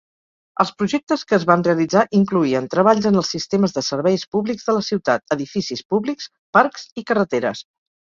Els projectes que es van realitzar incloïen treballs en els sistemes de serveis públics de la ciutat, edificis públics, parcs i carreteres.